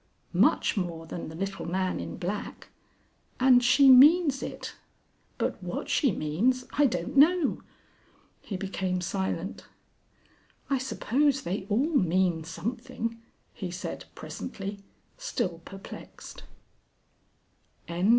_ Much more than the little man in black. And she means it. But what she means I don't know!..." He became silent. "I suppose they all mean something,", he said, presently, still perplexed. XXV.